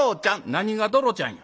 「何が『どろちゃん』や。